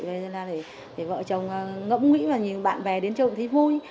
vậy nên là để vợ chồng ngẫm nghĩ và nhìn bạn bè đến chơi cũng thấy vui